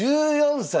１４歳！